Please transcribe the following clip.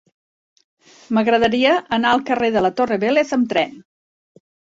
M'agradaria anar al carrer de la Torre Vélez amb tren.